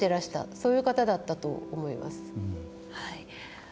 そういう方だったと思います。